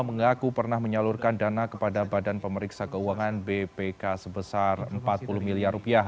mengaku pernah menyalurkan dana kepada badan pemeriksa keuangan bpk sebesar rp empat puluh miliar